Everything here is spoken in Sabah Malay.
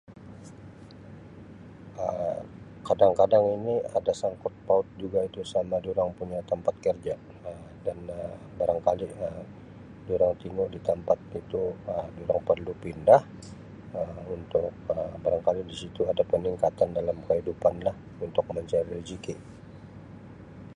Um Kadang-kadang ini ada sangkut paut juga itu sama durang punya tampat kerja Um barangkali Um durang tingu di tampat itu Um durang perlu pindah Um untuk barangkali di situ ada peningkatan dalam kehidupanlah untuk mencari rejeki.